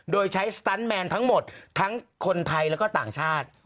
โดยใช้สตันแมนทั้งหมดทั้งคนไทยแล้วก็ต่างชาติ